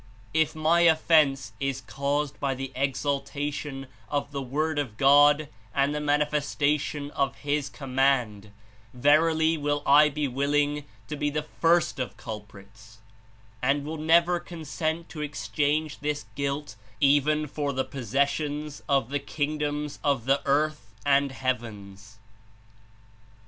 "If my offense Is caused by the exalta tion of the Word of God and the Manifestation of His Command, verily will I be willing to be the First of Culprits, and will never consent to exchange this guilt even for the possessions of the Kingdoms of the earth and heavens."